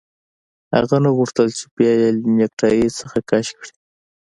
هغه نه غوښتل چې بیا یې له نیکټايي څخه کش کړي